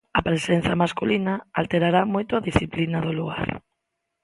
A presenza masculina alterará moito a disciplina do lugar.